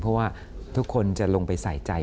เพราะว่าทุกคนจะลงไปใส่ใจ